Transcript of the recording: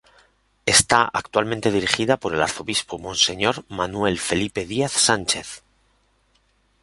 Está actualmente dirigida por el arzobispo Monseñor Manuel Felipe Díaz Sánchez.